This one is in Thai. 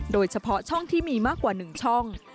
โดยเฉพาะช่องที่มีมากกว่า๑ช่อง